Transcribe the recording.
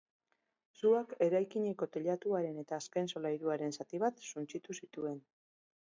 Suak eraikineko teilatuaren eta azken solairuaren zati bat suntsitu zituen.